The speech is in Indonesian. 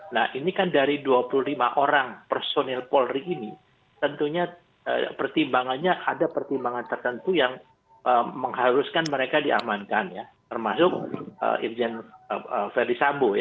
nah ini kan dari dua puluh lima orang personil polri ini tentunya pertimbangannya ada pertimbangan tertentu yang mengharuskan mereka diamankan ya termasuk irjen verdi sambo